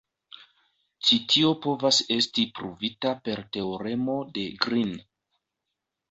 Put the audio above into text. Ĉi tio povas esti pruvita per teoremo de Green.